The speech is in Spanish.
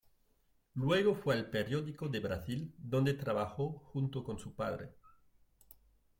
Luego fue al Periódico de Brasil, donde trabajó junto con su padre.